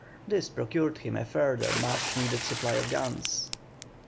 This procured him a further much needed supply of guns.